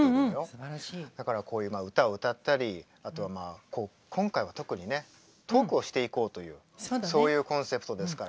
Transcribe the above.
だからこういう歌を歌ったりあとは今回は特にねトークをしていこうというそういうコンセプトですから。